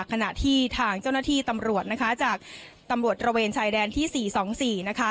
ขณะที่ทางเจ้าหน้าที่ตำรวจนะคะจากตำรวจตระเวนชายแดนที่๔๒๔นะคะ